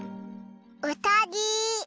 うさぎ。